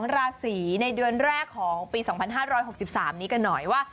ราศีในเดือนแรกของปี๒๕๖๓นี้กันหน่อยว่า